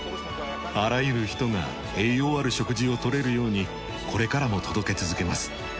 あらゆる人が栄養ある食事を取れるようにこれからも届け続けます。